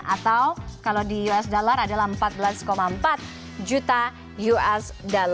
atau kalau di usd adalah empat belas empat juta usd